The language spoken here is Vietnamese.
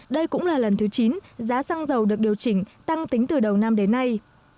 đây cũng là lần thứ chín giá xăng dầu được điều chỉnh tăng tính từ đầu năm đến nay